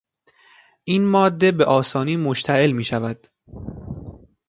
این ماده به آسانی مشتعل میشود